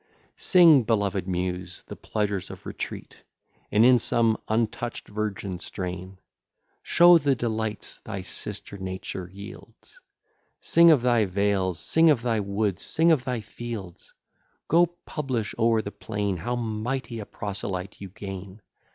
IX Sing, beloved Muse! the pleasures of retreat, And in some untouch'd virgin strain, Show the delights thy sister Nature yields; Sing of thy vales, sing of thy woods, sing of thy fields; Go, publish o'er the plain How mighty a proselyte you gain!